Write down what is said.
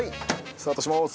スタートします。